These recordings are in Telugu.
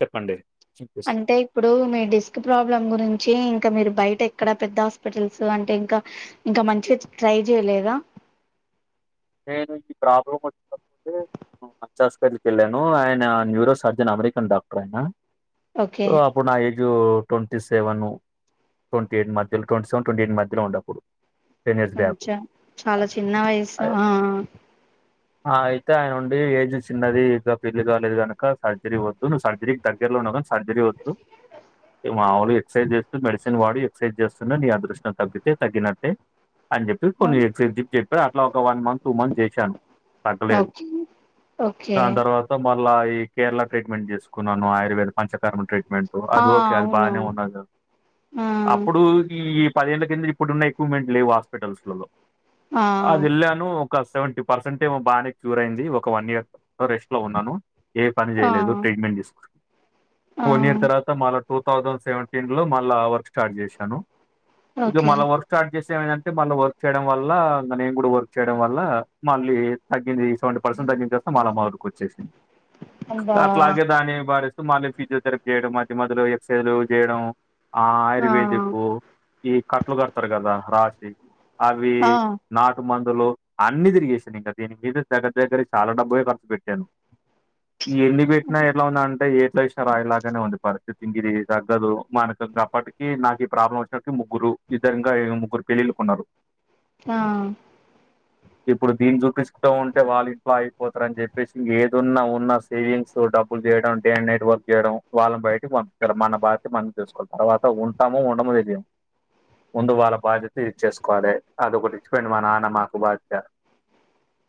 చెప్పండి వినిపిస్ అంటే ఇప్పుడు మీ డిస్క్ ప్రాబ్లం గురించి ఇంకా మీరు బయట ఎక్కడ పెద్ద హాస్పిటల్స్ అంటే ఇంకా ఇంకా మంచివి ట్రై చేయలేదా నేను ఈ ప్రాబ్లమ్ చస్ క [inaudible] వెళ్ళాను ఆయన న్యూరో సర్జన్ అమెరికన్ డాక్టర్ ఆయన ఓకే అప్పుడు నా ట్వంటీ సెవెన్ ట్వంటీ ఎయిట్ మధ్యలో ట్వంటీ సెవెన్ ట్వంటీ ఎయిట్ మధ్యలో ఉండ అప్పుడు ప కొంచం చాలా చిన్న వయసు ఆ ఆ అయితే ఆయన ఉండి ఏజ్ చిన్నది ఇక పెళ్లి కాలేదు కనుక సర్జరీ వద్దు నువ్వు సర్జరీకి దగ్గరలో ఉన్నావ్ కాని సర్జరి వద్దు మావులు ఎక్సర్సైజ్ చేస్తూ మెడిసిన్ వాడు ఎక్సర్సైజ్ చేస్తున్నా నీ అదృష్టం తగ్గితే తగ్గినట్టే అని చెప్పి ఆ. కొన్ని రిజిప్ట్ చెప్పారు అట్లా ఒక వన్ మంత్ చేశాను తగ్గలేదు ఓకే ఓకే దాని తర్వాత మళ్ళా ఈ కేరళ ట్రీట్మెంట్ చేసుకున్నాను ఆయుర్వేద పంచకరమ ట్రీట్ మ ఆ అది ఓకే అది అవును బాగానే ఉన్నది ఆ అప్పుడు ఈ పదేళ్ల కింద ఇప్పుడున్న ఎక్విప్మెంట్ లేవు హాస్పిటల్స్లలో ఆ అది ఏళ్ళను ఒక సెవెంటీ పర్సెంటే ఏమో బానే క్యూర్ అయింది ఒక వన్ ఇయర్ రెస్ట్ లో ఉన్నాను ఏ పని ఆ చేయలేదు ట్రీట్మెంట్ తీసు ఆ పోనీ [unintelligible] తర్వాత మాల టూ థౌజండ్ సెవెంటీన్ లో మళ్ళా వర్క్ స్టార్ట్ చేశాను ఇగ ఓకే మల్ల వర్క్ స్టార్ చేస్తే ఏంటే మళ్ళ వర్క్ చేయడం వల్ల నేను కూడా వర్క్ చేయ వల్ల మళ్ళీ తగ్గంది సేవేంటీ పర్సెంట్ తగ్గించేస్తే మళ్ళ మొదటికి వచ్చేసింది అబ్బా అట్లాగే దాని బారి మళ్ళీ ఫిజీయోతేరిపి చేయడం మధ్య మధ్యలో ఎక్స్రేలు చేయడం ఆ ఆయుర్వేదిక్కుఈ కట్టలు కడతారు కదా రాజ అవి ఆ నాటుమందు అలో అన్ని తిరిగసాను ఇంక దీని మీద దగ్గర దగ్గర చాలా డబ్బులే ఖర్చు పెట్టాను ఎన్ని పెట్టిన ఇలా ఉన్న అంటే రా ఇలాగానే వండి పా ఇంకా ఇది తగ్గదు మనకు అప్పటికి నాకు ఈ ప్రాబ్లం వచ్చినకి ముగ్గురు ఇద్దరు ఇంగా ముగ్గురు పెళ్ళిళ్ళకు ఉన్నారు ఆ ఇప్పుడు దీన్ని చూపిస్తూవుంటే వాళ్ళు ఇంట్లో అయిపోతారు అని చెప్పేసి ఏదున్న ఉన్న సేవింగ్స్ తో డబ్బులు చేయడం డే అండ్ నైట్ వర్క్ చేయడం వాళ్ళని బయటకి పంపించడం మన బాధ్యత మనం చేసుకోవాలి తర్వాత ఉంటాము ఉండమో తెలిదు ముందు వాళ్ళ బాధ్యత ఇది చేసుకోవాలి అది ఒకటి చెప్పింది మా నాన్నమ్మ వంట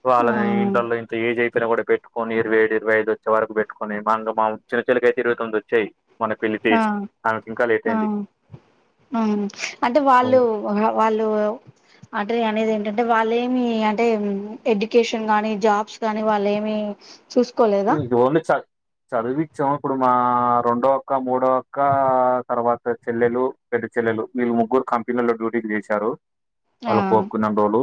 సో అలాళ ఇంట్లలో ఇంత ఏజ్ ఐతున్న కూడా పెట్టు నపోనీ ఇరవై ఏడు ఇరవైఐదు వచ్చే వరకు పెట్టుొని మనం మా చిన్న చిల్ల అయితే ఇరవ తొమిది వచ్చాయి మన పెళ్లి ఆ ఏజ్ ఆమెకి ఇంకా లేట్ ఆ అయింది మ్ అంటే వాళ్ళు వాళ్ళు అంటే అనేది ఏంటంటే వాళ్ళు ఏమి అంటే ఉమ్ ఎడ్యుకేషన్ గానీ, జాబ్స్ గానీ వాళ్ళు ఏమి ఉ దోన్న చ చదివిచ్చాము, ఇప్పుడు మా రెండో అక్క మూడో అక్క తర్వాత చెల్లెలు పెద్ద చెల్లెలు వీళ్ ముగ్గురు కంపెనీలో డ్యూటీకి చేశారు ఆ వాళ్ళు కోరుక్కునే టోళ్ళు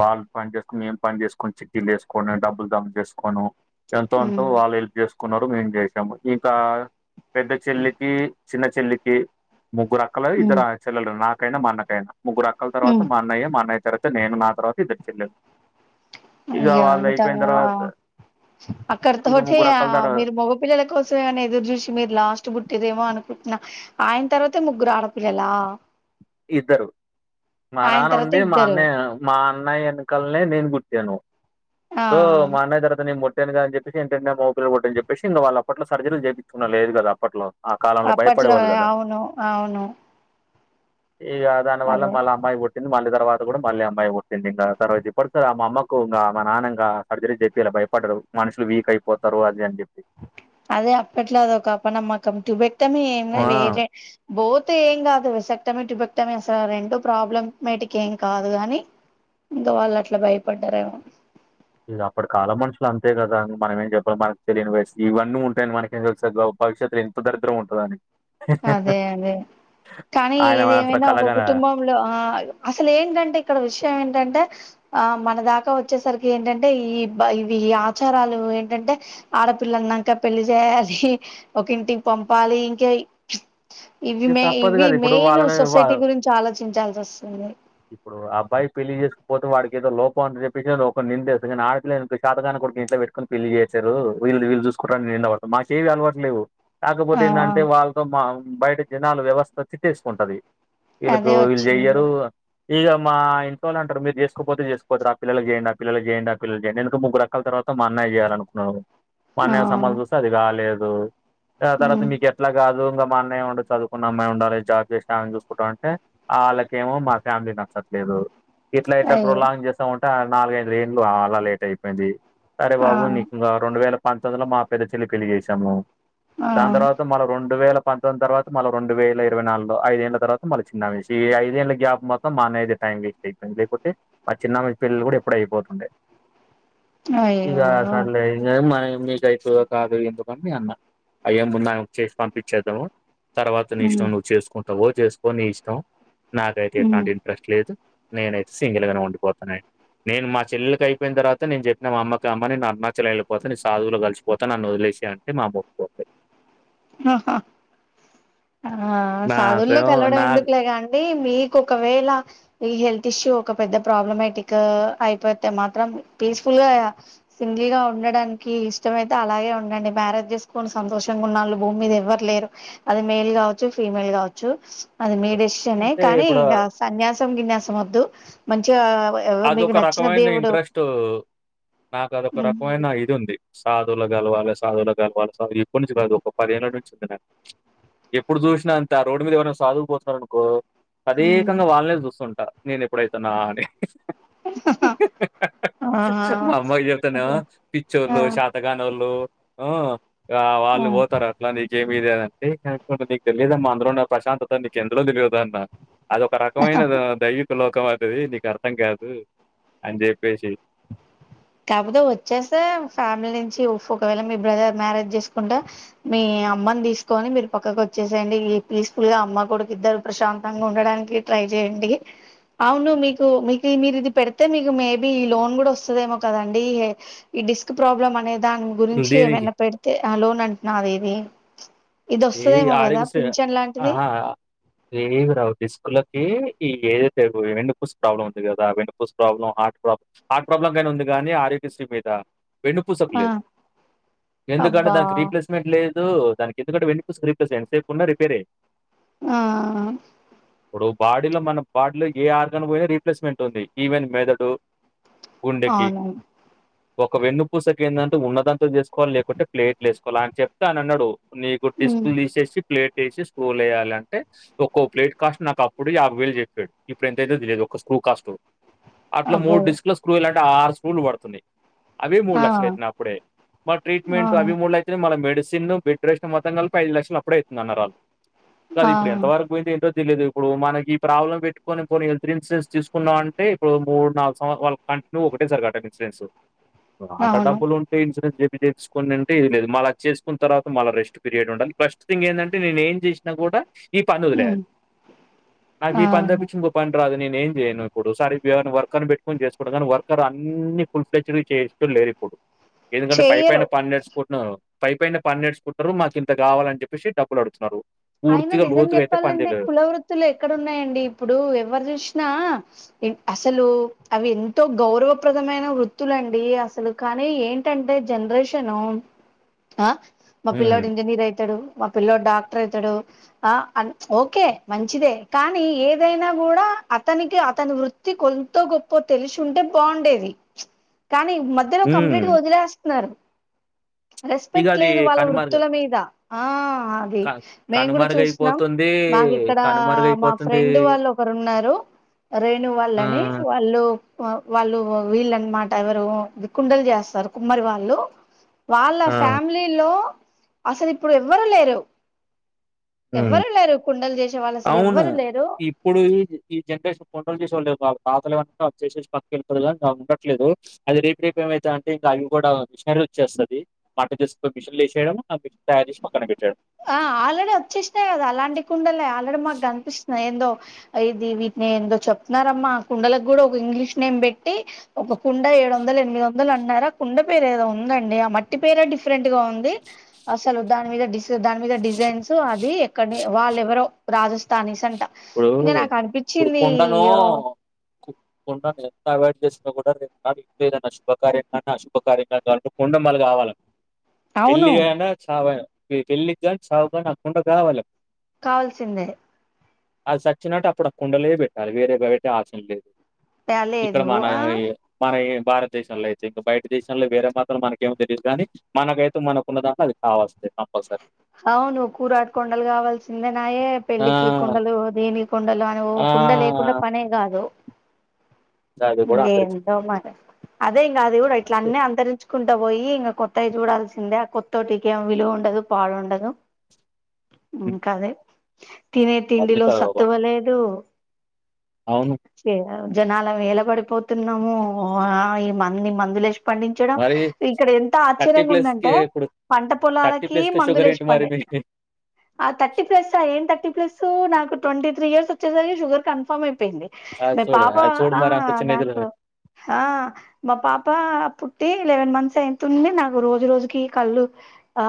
వాళ్ళు పని చేసుకుని మేం పని చేసుకుని చికిలు వేసుకోను డబ్బులు దమ చేసుకోను ఎంతోంతో ఉమ్ వాళ్ళ హెల్ప్ చేసుకున్నారు మేం చేసాము ఇంకా పెద్ద చెల్లికి చిన్న చెల్లికి ముగ్గురు అక్కలు ఉమ్ ఇద్దరు చెల్ల నా కైనా మన కైనా ముగ్గురు అక్కల తర్వాత ఉమ్ మా అన్నయ్య మాన్నయ్య తర నేను మాత్రం ఇద్దర్ చెల్ ఇక వాళ్ళు అయిపోయిన తర్వాత అక్కడితో ఇక ఒకటే ముగ్గురు అక్కల తర్వాత మీరు మగపిల్లల కోసమేమనా ఎదురు చూసి మీరు లాస్ట్ బుట్టేదేమో అనుకు పుట్నా ఆయన తర్వాతే ముగ్గురు ఆడపిల్లలా ఇద్దరు మా ఆయన నాన్న తర్వాత ఉండి మా ఇద్దరు అన్నయ్య మా అన్నయ్య ఎన్నికలనే నేను పుట్టాను టు ఆ మా అన్నయ్య తరువాత నేన్ పు అ అని చెప్పసి ఎంటనే మోబైల్ కొట్ట అని చెప్పేసిం వాళ్ళ అట్లో సర్రలు చేయిించకున్న లేదు కదా అప్పట్లో ఆ కాలంలో అప్పట్లో భయపడేవాళ్ళు కదా అవును అవును ఈగ దాని వల్ అదే మళ అమ్మాయి కుట్టింది మళీ తర్వాత కూడా మళ్ళీ అమ్మాయి పుట్టింది ఇంకా తర్వాత ఇప్పడు సార్ ఆ మా అమ్మకు ఇంకా మా నాన్న ఇంకా సర్జరీ చెప్పి ఇలా భయపడ్డారు, మనుషులు వీక్ అయిపోతారు అది అని చెప్పి అదే అప్పట్లా అద ఒకప్పనమ [unintelligible] సమ ఏం ఆ వేరే పోత్ ఏం కాదు సట్టమి [unintelligible] చట్టమేస రెంటో ప్రాబ్ల మేటిక్ ఏం కాదు గాని ఇంకా వాళ్ళు అట్లా భయపడ్డారెమో ఇ అప్పుడు కాలం మనుషులు అంతే కదా, మనం ఏం చెప్పాలి మనకి తెలియని వయసుకి ఇవన్నీ ఉంటాయని మనకి ఏం తెలుస్తుంది భవిష్యత్తు ఇంత దరిద్రం ఉంటదని అదే అదే కానీ ఆయన మాత్రం ఏదేమైనా ఒక కలగన కుటుంబంలో ఆ అసలు ఏంటంటే ఇక్కడ విషయం ఏంటంటే ఆ మనదాకా వచ్చేసరికి ఏంటంటే, ఈ ఇవి ఆచారాలు ఏంటంటే ఆడపిల్లన్నాక పెళ్లి చేయాలి, ఒకంటికి పంపాలి ఇంకా ఇవి ఇగ మె తప్పదు ఇవి కదా ఇప్పుడు మెయిన్ వాళ్ళని వా సొసైటీ గురించి ఆలోచించాల్సి వస్తుంది ఇప్పుడు అబ్బాయి పెళ్లి చేసుకపోతే వాడికిక ఏదో లోపం అని చెప్పి నిందేస్తంది, కానీ ఆడపిాతకానికిడుడి ఇంట్లో పెటుకుని పెళ్లి చేసారు వళ్ళుీళ్ళు చూసుకుంటడా నింది అవడతారు మాకు ఏవి అలవట్లేవు కాకపోతే ఆ ఏందాంటే వాళ్ళతో మా బయట జనాలు వ్యవస్థ తిట్టేసుకుంటది వీళ్ళకు అదే వీళ్ళు వచ్చింది చెయ్యరు ఇగ మా ఇంట్లో నంటరు మీరు చేసుకోకపోతే చేసుకోపోతారు ఆడ పిల్లలకి చేయండి ఆడ పిల్లలకి చేయండి ఆడపిల్లలకి చేయండి అని ఎందుకు ముగ్గురుఅక్కల తర్వాత మా అన్నయకి చేయాలనుకున్నాను మా ఆ అన్నయ సంబంధం చూస్తే అది కాలేదు రో ఆ తర్వాత ఉమ్ మీకు ఎట్లా కాదో [unintelligible] అనే ఉండు చదువుకున్న అమ్మాయి ఉండాలి జాబ్ చేస్తామని చూసుకుంటాం అంటే వాళ్ళకేమో మా ఫ్యామిలీ నచ్చట్లేదు ఇట్లా ఇట్లా అయ్యో ప్రోలాంగ్ చేస్తా ఉంట నాలుగైదు ఏండ్లు అలా లేట్ అయిపోయింది అరే ఆ బాబు నీకు ఇంకో రెండు వేల పంచదిలో మా పెద్ద చెల్లి పెళ్ళి చేసాము ఆ దాని తర్వాత మరో రెండు వేల పంతొమ్మిది తర్వాత మరో రెండు వేల ఇరవై నాలుగులో ఐదేళ్ళ తర్వాత మళ్ళ చిన్న వయసు ఈ ఐదేళ్ళ గ్యాప్ మాత్రం మా అన్నయ్య దే టైం బెట్టి లేపోతే మా చిన్న ఆమె పెళ్లి కూడా ఎప్పుడో అయిపోతుండే ఇగ అయ్యో సర్లే ఇ మని మీ టైపు కాదు ఎందుకని అన్నా అయ్య ముందు ఆమెకు చేసి పంపించేద్దాము తర్వాత నీ ఉమ్ ఇష్టం నువ్వు చేసుకుం నువ్వూ చేసుకో నీ ఇష్టం నాకైతే ఉమ్ ఎట్లాంటి ఇంట్రెస్ట్ లేదు నేనైయితే సింగిల్గానే ఉండిపోతానీ నేను మా చెల్లెలకి అయిపోయిన తర్వాత నేను చెప్పిన మా అమ్మకి అమ్మ నేను అరుణాచల వెళ్ళిపోతా నీ సాధువులో కలిసిపోతా నన్ను వదిలేసి అంటే మా అమ్మ ఓప్పుకోట్లేదు ఆహా ఆ నాకు సాధువుల్లోకెల్లడం నా ఎందుకులే గానీ మీకు ఒకవేళ ఈ హెల్త్ ఇష్యూ ఒక పెద్ద ప్రాబ్లమటిగ్గా అయిపోతే మాత్రం పీస్ఫుల్ గా సింగిల్గా ఉండడానికి ఇష్టమైతే అలాగే ఉండండి మ్యారేజ్ చేసుకొని సంతోషంగా ఉన్నాళ్ళు భూమి మీద ఎవ్వరు లేరు అది మేల్ కావచ్చు ఫీమేల్ కావచ్చు. అది మీ డెసిషన్ ఎ అంటే కానీ ఇప్పుడు ఇక సన్యాసి అచ్చం విన్యాసం వద్దు మంచిగా ఎవ మీకు అదొక నచ్చిన రకమైన దేవుడు ఇంట్రెస్టు నాకు అదొక రకమైన ఇది ఉంది సాధుల కలవాలి సాధుల కలవాలి సా ఇప్పడు నుంచి కాదు ఒక పదేళ్ళ నుంచి ఉంది నాకు ఎప్పుడు చూసినా అంతే ఆ రోడ్డు మీద ఏవైనా సాధవు పోతున్న అనుకో తదేకంగా వాళ్ళనే చూస్తుంట నేను ఎప్పుడైతున్నా అని హ హ ఆహా హ మా అమ్మకి చెప్తనేమో అదే ఆ పిచ్చోళ్ళు చేతకానోళ్ళు ఆ ఆ వాళ్ళు పోతారు అట్లా నీకేం మీదేదంటే [unintelligible] నీక్ తెలియదమ్మా అందులోన్న ప్రశాంతత నీకు ఎందులో తెలియదు అన్న అదొఒక రకమైన ఆ దైవికులు ఖం అయితది నీకు అర్థం కాదు అన్ చెప్పేసి కాకపోతే వచ్చేస్తే ఫ్యామిలీ నుంచి ఒకవేళ మీ బ్రదర్ మ్యారేజ్ చేసుకుంటె మీ అమ్మని తీసుకని మీరు పక్కకు వచ్చేసేయండి. ఈ పీస్ఫుల్ గా అమ్మ కొడుకు ఇద్దరు ప్రశాంతంగా ఉండడానికి ట్రై చేయండి. అవును మీకు మీకు మీరు ఇది పెడితే మీకు మేబీ ఈ లోన్ కూడా వస్తదేమో కదండి ఈ డిస్క్ ప్రాబ్లం అనేది దాని గురించి దీనికి ఏమన్న పెడితే ఆ లోన్ అంటున్నారుది ఇది ఇది ఈ వస్తదేమో కదా పింఛన్ లాంటిది లేవు రావు డిస్కులకి ఏదైతే వెన్నపూస్ ప్రాబ్లమ్ ఉంది కదా వెన్నపూస్ ప్రాబ్లం హార్ట్ ప్రాబ్ల హార్ట్ ప్రాబ్లమ్కైనా ఉంది కానీ ఆరోగ్యశ్రీ మీద వెంన్ను పూసకు ఆ లేదు ఎందుకంటే అబ్బా దానికి రీప్లేస్మెంట్ లేద్ ఊ దానికి ఎందుకంటే వేన్ పూస్ కు రీప్లేస్ [unintelligible] ఉన్న రిపేర్ ఈ ఆ ఇప్పుడు బాడీలో మన పార్ట్ లేకి ఏ ఆర్గన్ పోయినా రీప్లేస్మెంట్ ఉంది ఈవెన్ మెదడు గుండెకి. అవునవును ఒక వెన్ను పూసకు ఏందంటే ఉన్నదంతా చేసుకోవాలి లేకుంటే ప్లేట్లేసుకోవాలి ఆయ చెప్తే అనన్నాడు ఉమ్ డిస్కుల్ తీసేసి ప్లేట్ సి స్క్రూలు వయాలింటే ఒక్కో ప్లేట్ కాస్ట్ నాకు అప్పుడు యాభై వేలు చెప్పాడు ఇప్పుడు ఎంతయితే తెలియదు ఒక స్క్రూ కాస్ట్ అట్ల అబ్బో మూడు డిస్క్ లో స్క్రూ యాడ్ ట్ట ఆరు స్క్రులు వడుతున్నాయ్ అవి మూడు ఆ లక్షల అయింతంది అప్పుడే మ ఆ ట్రీట్మెంట్ అవి మూడు అయితుయి మళ్ మెడిసిన్ చిన్న బెడ్ రెస్ట్ మొత్తం కల్ ముప్పైదు లక్షలు అప్పుడే అయితుందన్నర్ ఆల్ కాదు ఆ ఇప్పుడు ఎంత వరకు పోయిందో ఏంటో తెలీదు ఇప్పుడు మనకి ప్రాబ్లం పెట్టుకొని పోని హెల్త్ ఇన్సూరెన్స్ తీసుకున్నా అంటే ఇప్పుడు మూడు నాలుగు సంవ వాళ్ళ కంటిన్యూ ఒకటే సారీ కట్టాలి ఇన్సూరెన్స్. అట అవును డబ్బులుంటే ఇన్సూరెన్స్ చెప్ ఏం లేదు మళ్ళ చేసుకున్న తర్వాత మళ్ళ రెస్ట్ ఏ ఉండాలి ఫస్ట్ థింగ్ ఏంటంటే నేను ఏం చేసినా కూడా ఈ పని ఉమ్ వదిలెయ్యలి నాకు ఆ ఈ పని తప్పించి ఇంకో పని రాదు నేను ఏం చేయను ఇప్పుడు సర్ ఇప్పుడు వర్కర్ పెట్టుకొని చేసుకుంట కానీ వర్కర్ అన్ని ఫుల్ ఫ్లెడ్జ్ గా చేసేటోళ్ళు లేరు ఇప్పుడు ఎందుకంటే పై పైన చేయరు పని నేర్చుకుం పై పైన పన్నేర్చుకుంటారు మాకు ఇంత కావాలని చెప్పేసి డబ్బులు అడుగుతున్నారు ఆయిన పూర్తిగా నిజం లోతుగా అయితే పని చెప్పాలంటే చేయలేరు. కుల వృత్తులు ఎక్కడన్నాయండి ఇప్పుడు ఎవరు చూసినా ఎం అసలు అవి ఎంతో గౌరవప్రదమైన వృతులండి అసలు కానీ ఏంటంటే జనరేషను ఆ మా హ్మ్. పిల్లడు ఇంజనీర్ అయితాడు మా పిల్లడు డాక్టర్ అయిత అతడు ఆ అం ఓకే మంచిదే కానీ ఏదైనా గూడా అతనికి అతని వృత్తి కొంతో గొప్పో తెలిసి ఉంటే బాగుండేది కానీ మధ్యలో హ్మ్. కంప్లీట్గా వదిలేస్తున్నారు ఇక రెస్పెక్ట్ అది లేదు వాళ్ళ కనుమరుగు వృత్తుల మీద ఆ అది క మేము కూడా చూస్తున్నాం, కనుమరుగైపోతుంది. మాకు ఇక్కడా మా కనుమరుగైపోతుంది. ఫ్రెండ్ వాళ్ళు ఒకరు ఉన్నారు, రేణు ఆ! వాళ్ళని వాళ్ళు వ వాళ్ళు వీళ్ళన్నమాట ఎవరు కుండలు చేస్తారు కుమ్మరి వాళ్ళు వాళ్ళ ఆ! ఫ్యామిలీలో అసలు ఇప్పుడు ఎవ్వరు లేరు ఉ ఎవ్వరు లేరు కుండలు చేసే వాళ్ళు అసలు అవును ఎవ్వరు లేరు ఇప్పుడు ఈ ఈ జనరేషన్ కొండలు చేసే వాళ్ళు లేరు పాతలుమన్నా చేసేసి పక్కకి వెళతుదు ఉండట్లేదు అది రీపీప్ ఏమవుతుంది అంటే ఇంకా అవి కూడా మిషనరీ వచ్చేస్తుంది మాట్ తీసి మిషన్లు వేయ ఆ మిషన్ తయారు చేసి పక్కన పెట్టేయడం ఆ ఆల్రెడీ వచ్చేసినాయి కదా అలాంటి కుండలు ఆల్రెడీ మాకు కనిపిస్తున్నాయి దొ ఇది వీటిని ఏందో చెప్తున్నారమ్మా, కుండలకు కూడా ఒక ఇంగ్లీష్ నేమ్ పెట్టి ఒక కుండ ఏడు వందలు ఎనిమిది వందలు అన్నారా కుండ పేరు ఏదో ఉందండి ఆ మట్టి పేర డిఫరెంట్ గా ఉంది అసలు దాని మీద డిస్ దాని మీద డిజైన్స్ అది ఎక్క వాళ్ళు ఎవరో రాజస్థాని అ ఇప్పుడూ ఇప్పుడు కుండనూ ఎంత దన్నా శుభకార్యం కానీ అశుభ కార్య కా కా కొండమలు కావాలని అవును పెళ్ళికైన చావైన పెళ్ళికని చావుకానీ ఆ కుండ కావాలి కావల్సిందే అది చచ్చినట్టు అప్పుడు ఆ కుండలే పెట్టాలి వేరే పెట్టే ఆచన లేదు ఇక్కడ లేదు మన ఆ మన ఏ భారతదేశంలో అయితే ఇంకా బయట దేశాల్లో వేరే మాత్రం మనకేం తెలీయదు కాగానీ మనకైతే మనకున్న దాకా అ కావాల్సిందే కంపల్సరీ అవును కూరడు కొండలు కావాల్సిందే నాయే ఆ పెళ్ళికి కుండలు దేని కుండలో అని ఓ ఆ కుండ లేకుండా పనే కాదు అది కూడా అంతరిక్ష ఎంటో మరి అదే ఇంకా అది కూడా ఇట్లా అన్నీ అంతరించ తీకుంట పోయి ఇంకా కొత్తవి చూడాల్సిందే కొత్తోటిక ఏం విలువ ఉండదు పాడుండదు కాదే తినే తిండిలో ఆధునిక లోకం. సత్వలేదు అవును ఆ జనాల నిలబడిపోతున్నాము ఆ ఈ మంది మందులు లేసి పండించడం మరి ఇక్కడ ఎం టార్చర్ థర్టీ ఏం ప్లస్ కి ఉందంటే ఇప్పుడు పంట థర్టీ పొలాలకి ప్లస్ కి షుగర్ మందులేసి ఏంటి మరి పండె మీ ఆ తథర్టీ ప్లస్ ఎంటా తథర్టీ ప్లస్ పూ నాకు ట్వంటీ త్రీ ఇయర్ వచ్చేసరికి షుగర్ కన్ఫర్మ్ అయింది పోయింది అది మా చూడు పాప అది చూడు ఆ మరి అంత చిన్న ఏజ్ లో మాకు ఆ మా పాప పు తే లెవెన్ మంత్స్ అయితుంది నాకు రోజు రోజుకి కళ్ళు ఆ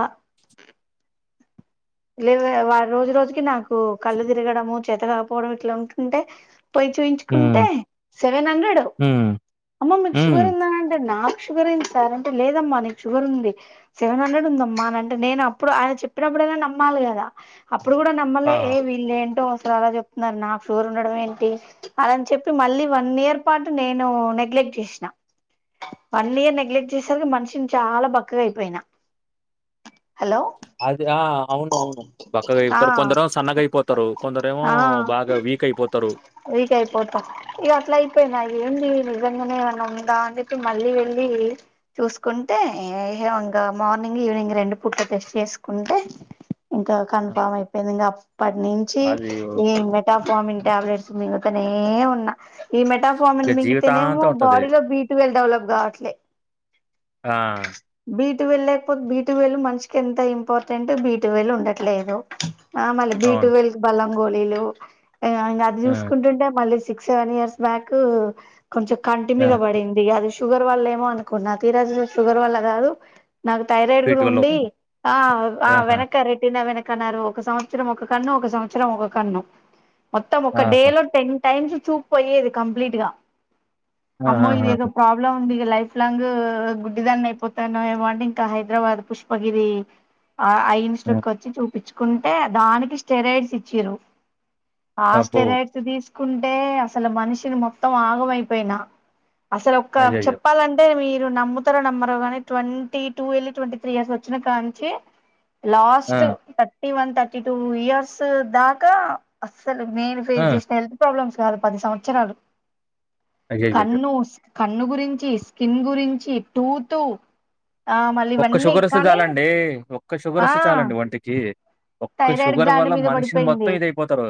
లేవ వ రోజు రోజుకి నాకు కళ్ళు తిరగడము చేత కాకపోవడం ఇట్లా ఉంటుంటే పోయి చూయించుకుంటే హ్మ్. సెవెన్ హండ్రెడ్ హ్మ్. అమ్మ మీకు హ్మ్. షుగర్ ఉందా అంటే నాక్ షుగర్ ఎంది సార్ అంటే లేదమ్మ నీకు షుగర్ ఉంది సెవెన్ హండ్రెడ్ ఉందమ్మా అని అంటే నే అప్పుడు ఆయన చెప్పినప్పుడు అయినా నమ్మ మలేల అ ఇప్పుడు గుడ ఆ! నమ్మల్లే ఏ వీళ్ళు ఏంటో అసలు అలా చెప్తున్నారు నాకు షుగర్ ఉండడం ఏంటి అలాని చెప్పి మళ్ళీ వన్ ఇయర్ పాటు నేను నెగ్లెక్ట్ చేసిన వన్ ఇయర్ నెగ్లెక్ట్ చేసరికి మనిషిని చాలా బక్కగై పోయినా హలో. అ ఆ అవును అవును బక్కగా ఆ అయిపోతారు కొందరు ఏమో సన్నగా అయిపోతారు కొందరేమో ఆ బాగా వీక్ అయిపోతారు. వీక్ అయిపోతా ఇక అట్లా అయిపోయినా ఏంది నిజంగానే ఏమన్నా ఉందా అని చెప్పి మళ్ళీ వెళ్ళి చూసుకుంటే ఇంగ మార్నింగ్ ఈవినింగ్ రెండు పూట్ల టెస్ట్ చేసుకుంటే ఇంకా ఆ! కన్ఫామ్ అయిపోయింది ఇంకా అప్పటి నుంచి అది ఈ మెట మార్నింగ్ టాబ్లెట్స్ మింగ్తనే ఉన్నా ఈ మెటాఫార్మన్ ఇక మింగితేనేమో జీవితాంతం ఉంటది. బాడీలో బీట్వల్ డెవలప్ కావట్లే ఆ! బీ ట్వెల్వ్ లేకపోతే బీ ట్వెల్వ్ మషకి ఎంత ఇంపార్టెంట్ బీ బీ ట్వెల్వ్ ఉండట్లేదు ఆ మళ్ళీ బీ అవును. టువెల్ కి బలం గోలీలు ఆ ఐన అది ఆ! చూసుకుంటుంటే మళ్ళీ సిక్స్ సెవెన్ ఇయర్స్ బ్యాక్ కొంచెం కంటి మీద ఆ! పడింది అది షుగర్ వాళ్ళ ఏమో అనుకున్న తీరా జూస్తే షుగర్ వల్ల కాదు నాకు థైరాయిడ్ కుడ వీటి వల్ల ఉండి ఉపమా. ఆ ఆ ఆహా! వెనక్ రెటీన వెనక అన్నారు ఒక సంవత్సరం ఒక కన్ను ఒక సంవత్సరం ఒక కన్ను మొత్తం ఒక డే ఆహా! లో టెన్ టైమ్స్ చూపు పోయేది కంప్లీట్ గా అమ్మో ఇది ఏదో ఆహాహాహా! ప్రాబ్లం ఉంది లైఫ్ లాంగ్ గుడ్డిదాన్ని అయిపోతాను ఏమో అని ఇంకా హైదరాబాద్ పుష్పగిరి అ ఆ! ఇక్కడికి వచ్చి చూపించు కుంటే దానికి స్టెరాయిడ్స్ ఇచ్చిర్రు ఆ అబ్బో! స్టెరాయిడ్స్ తీస్ కుంటే అసలు మనిషిని మొత్తం ఆగమైపోయినా అసలు ఒక్క అయ్యయ్యో! చెప్పాలంటే ఇవి మీరు నమ్ముతరో నమ్మరో గని ట్వంటీ టూ వెళ్ళి ట్వంటీ త్రీ ఇయర్స్ వచ్చినా కాంచి ఆ! లాస్ట్ తట్ ఈ వన్ థర్టీ టూ ఇయర్స్ దాకా అసలు నేను ఆ! ఫేస్ చేసిన హెల్త్ ప్రాబ్లమ్స్ పది పది సంవత్సరాలు అయ్యయ్యయ్యో! కన్నూస్ కన్ను గురించి స్కిన్ గురించి టూ తూ ఒక్క షుగర్ వస్తే చాలండి ఒక్క షుగర్ ఆ వస్తే చాలండి ఒంటికి ఒక్క థైరాయిడ్ షుగర్ గ్లాండ్ వల్ల మీద మనిషిని మొత్తం పడిపోయింది ఇదయిపోతారు